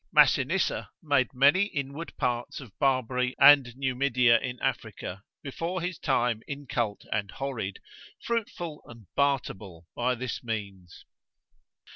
Massinissa made many inward parts of Barbary and Numidia in Africa, before his time incult and horrid, fruitful and bartable by this means.